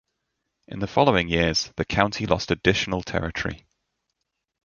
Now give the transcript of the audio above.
In the following years, the county lost additional territory.